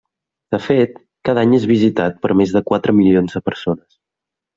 De fet, cada any és visitat per més de quatre milions de persones.